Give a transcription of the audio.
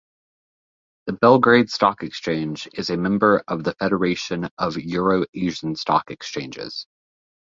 The Belgrade Stock Exchange is a member of the Federation of Euro-Asian Stock Exchanges.